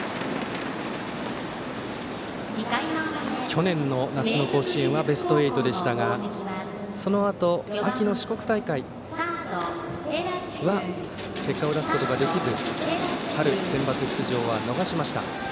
去年の夏の甲子園はベスト８でしたがそのあと秋の四国大会は結果を出すことができず春センバツ出場は逃しました。